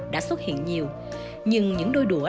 đã xuất hiện nhiều nhưng những đôi đũa